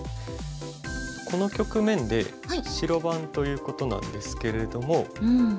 この局面で白番ということなんですけれども。